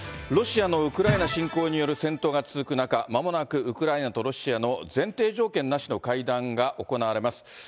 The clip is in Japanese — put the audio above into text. ロシアのウクライナ侵攻による戦闘が続く中、まもなくウクライナとロシアの前提条件なしの会談が行われます。